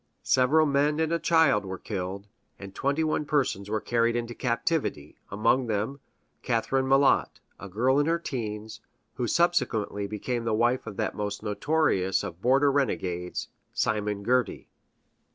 Several men and a child were killed, and twenty one persons were carried into captivity among them, Catherine Malott, a girl in her teens, who subsequently became the wife of that most notorious of border renegades, Simon Girty.